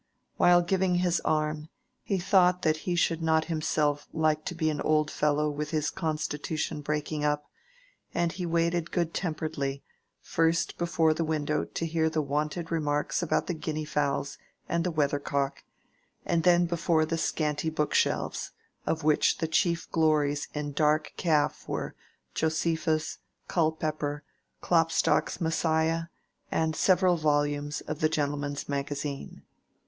While giving his arm, he thought that he should not himself like to be an old fellow with his constitution breaking up; and he waited good temperedly, first before the window to hear the wonted remarks about the guinea fowls and the weather cock, and then before the scanty book shelves, of which the chief glories in dark calf were Josephus, Culpepper, Klopstock's "Messiah," and several volumes of the "Gentleman's Magazine."